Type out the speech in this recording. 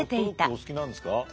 お好きなんですか？